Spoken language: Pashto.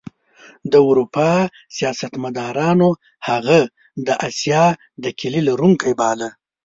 د اروپا سیاستمدارانو هغه د اسیا د کیلي لرونکی باله.